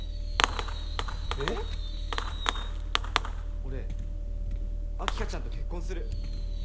俺秋香ちゃんと結婚する。